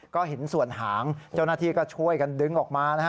ก็เห็นส่วนหางเจ้านทีก็ช่วยกันดึงออกมา